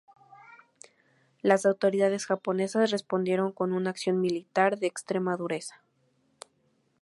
Las autoridades japonesas respondieron con una acción militar de extrema dureza.